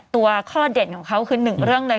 ตัวข้อเด่นของเขาคือหนึ่งเรื่องเลย